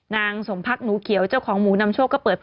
นางสมพักหนูเขียวเจ้าของหมูนำโชคก็เปิดเผย